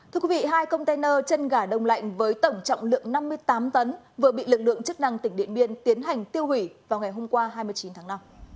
thưa quý vị hai container chân gà đông lạnh với tổng trọng lượng năm mươi tám tấn vừa bị lực lượng chức năng tỉnh điện biên tiến hành tiêu hủy vào ngày hôm qua hai mươi chín tháng năm